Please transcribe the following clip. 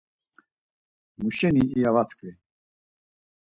Mu şeni iya va tkvi?